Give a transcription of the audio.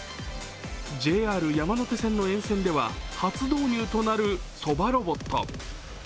ＪＲ山手線の沿線では初導入となるそばロボット。